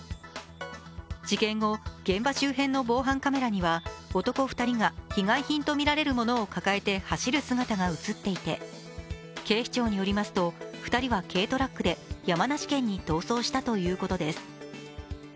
事件後、現場周辺の防犯カメラには男２人が被害品とみられるものを抱えて走る姿が映っていて警視庁によりますと、２人は軽トラックで山梨県に逃走したということです。